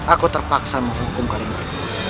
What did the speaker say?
aku terpaksa menghukum kalian